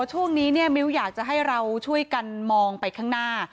ช่วงนี้เนี่ยมิ้วอยากจะให้เราช่วยกันมองไปข้างหน้า